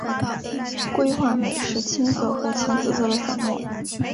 硅化镁是青色或浅紫色的粉末。